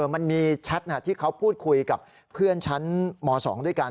มันมีแชทที่เขาพูดคุยกับเพื่อนชั้นม๒ด้วยกัน